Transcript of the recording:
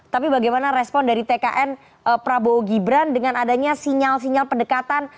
tapi bagaimana respon dari tkn prabowo gibran dengan adanya sinyal sinyal pendekatan